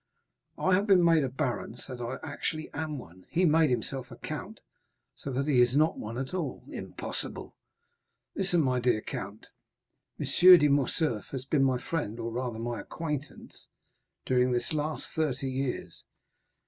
"I have been made a baron, so that I actually am one; he made himself a count, so that he is not one at all." "Impossible!" "Listen my dear count; M. de Morcerf has been my friend, or rather my acquaintance, during the last thirty years.